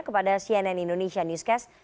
kepada cnn indonesia newscast